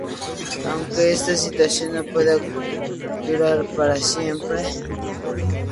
Aunque esa situación no puede durar para siempre...